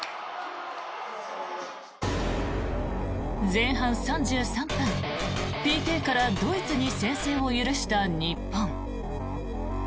前半３３分、ＰＫからドイツに先制を許した日本。